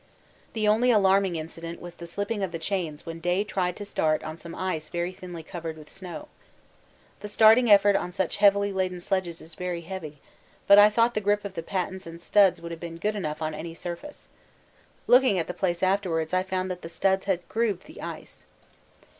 The only alarming incident was the slipping of the chains when Day tried to start on some ice very thinly covered with snow. The starting effort on such heavily laden sledges is very heavy, but I thought the grip of the pattens and studs would have been good enough on any surface. Looking at the place afterwards I found that the studs had grooved the ice.